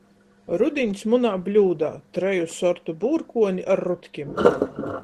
Rudiņs muna bļūdā: treju sortu būrkuoni ar rutkim.